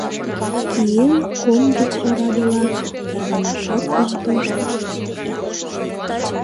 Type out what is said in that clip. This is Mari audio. Кием комдык орадыла, тарванашат ом тошт.